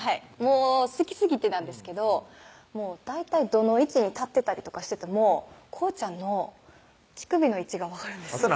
好きすぎてなんですけど大体どの位置に立ってたりとかしてても航ちゃんの乳首の位置が分かるんですあんた